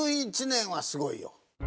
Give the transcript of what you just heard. １１年はすごいよ。